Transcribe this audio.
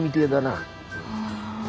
ああ。